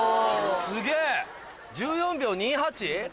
すげぇ１４秒２８。